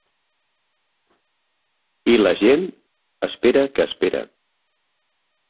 I la gent, espera que espera.